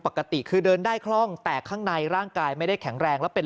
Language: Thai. ปกติคือเดินได้คล่องแต่ข้างในร่างกายไม่ได้แข็งแรงแล้วเป็น